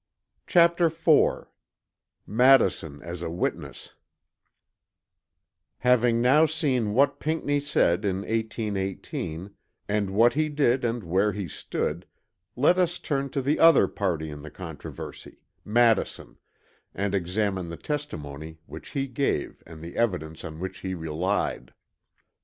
CHAPTER IV MADISON AS A WITNESS Having now seen what Pinckney said in 1818 and what he did and where he stood, let us turn to the other party in the controversy, Madison, and examine the testimony which he gave and the evidence on which he relied.